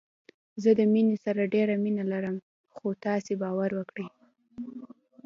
زه د مينې سره ډېره مينه لرم خو تاسو باور وکړئ